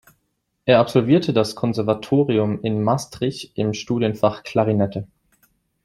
Er absolvierte das Konservatorium in Maastricht im Studienfach Klarinette.